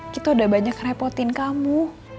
kita udah banyak repotin kamu